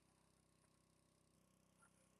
个展于台北春之艺廊。